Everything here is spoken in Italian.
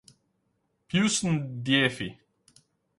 Pius N'Diefi